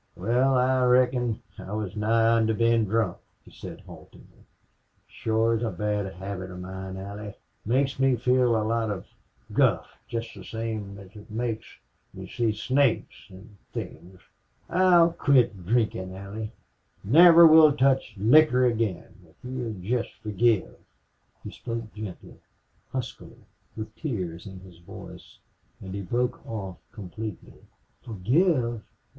"Wal I reckon I was nigh onto bein' drunk," he said, haltingly. "Shore is a bad habit of mine Allie.... Makes me think of a lot of guff jest the same as it makes me see snakes an' things.... I'll quit drinkin', Allie.... Never will touch liquor again now if you'll jest forgive." He spoke gently, huskily, with tears in his voice, and he broke off completely. "Forgive!